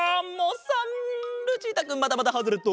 ルチータくんまたまたハズレット！